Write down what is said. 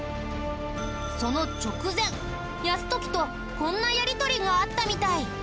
その直前泰時とこんなやり取りがあったみたい。